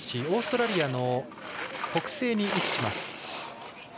オーストラリアの北西に位置します。